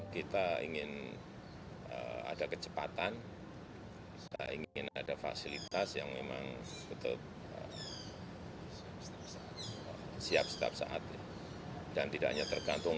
kita ingin ada kecepatan kita ingin ada fasilitas yang memang betul siap setiap saat dan tidak hanya tergantung